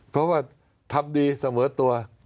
เพราะว่าทำดีเสมอตัว